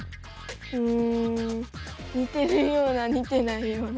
うん似てるような似てないような。